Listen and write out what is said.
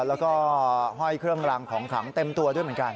แล้วก็ห้อยเครื่องรังของขลังเต็มตัวด้วยเหมือนกัน